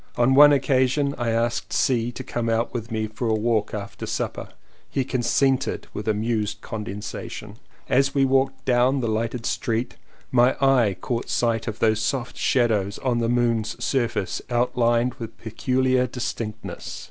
On one occasion I asked C. to come out with me for a walk after supper. He 203 CONFESSIONS OF TWO BROTHERS consented with amused condescension. As we walked down the lighted street my eye caught sight of those soft shadows on the moon's surface outhned with pecuhar dis tinctness.